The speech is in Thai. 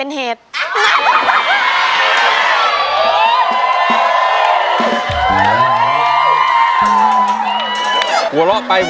ใช้